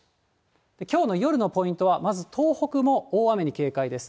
きょうの夜のポイントは、まず東北も大雨に警戒です。